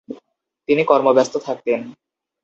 তিনি কর্মব্যস্ত থাকতেন ।